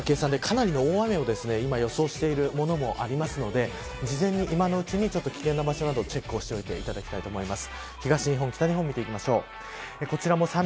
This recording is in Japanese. コンピューターの計算でかなりの大雨を今予想しているものもありますので事前に今のうちに危険な場所などチェックをしておいていただきたいと思います。